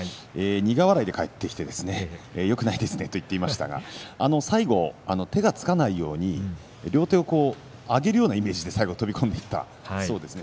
苦笑いで帰ってきてよくないですねと言っていましたが最後、手がつかないように両手を上げるようなイメージで最後飛び込んでいったそうです。